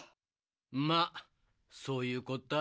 まあそういうこったな。